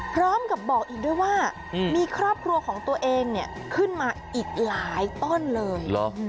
พร้อมกับบอกอีกด้วยว่ามีครอบครัวของตัวเองขึ้นมาอีกหลายต้นเลย